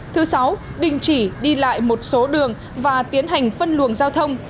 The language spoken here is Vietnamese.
thứ sáu đình chỉ đi lại một số đường và tiến hành phân luồng giao thông